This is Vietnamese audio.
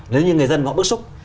nếu như người dân vẫn bức xúc